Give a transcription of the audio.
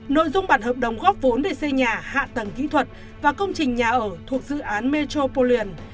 nội dung bản hợp đồng góp vốn để xây nhà hạ tầng kỹ thuật và công trình nhà ở thuộc dự án metro polan